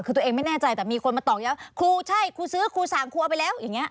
คือตัวเองไม่แน่ใจแต่มีคนมาตอกย้ำครูใช่ครูซื้อครูสั่งครูเอาไปแล้วอย่างนี้